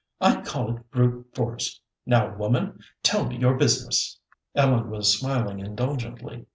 I call it brute force. Now, woman, tell me your business." Ellen was smiling indulgently.